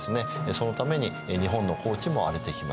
そのために日本の耕地も荒れてきます。